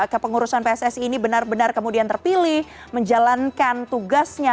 kepengurusan pssi ini benar benar kemudian terpilih menjalankan tugasnya